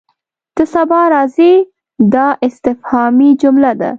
ته سبا راځې؟ دا استفهامي جمله ده.